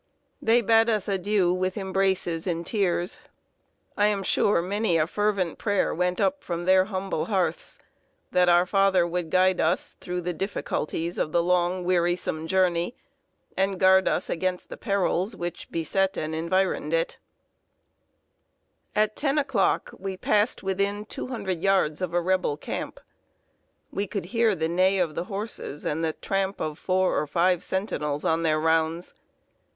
They bade us adieu with embraces and tears. I am sure many a fervent prayer went up from their humble hearths, that Our Father would guide us through the difficulties of our long, wearisome journey, and guard us against the perils which beset and environed it. [Sidenote: FLANKING A REBEL CAMP.] At ten o'clock we passed within two hundred yards of a Rebel camp. We could hear the neigh of the horses and the tramp of four or five sentinels on their rounds.